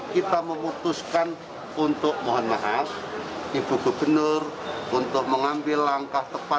kita memutuskan untuk mohon maaf ibu gubernur untuk mengambil langkah tepat